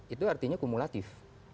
itu artinya kumulatif